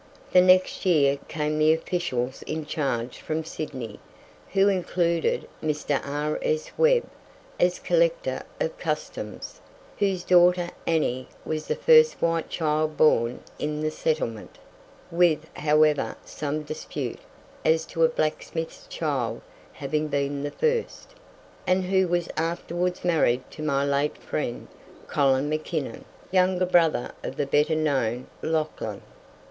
The next year came the officials in charge from Sydney, who included Mr. R.S. Webb, as Collector of Customs, whose daughter, Annie, was the first white child born in the settlement (with, however, some dispute as to a blacksmith's child having been the first), and who was afterwards married to my late friend, Colin Mackinnon, younger brother of the better known Lauchlan.